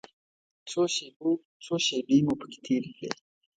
څو شېبې مو پکې تېرې کړې.